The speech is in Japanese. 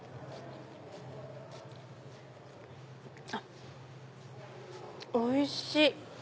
あっおいしい！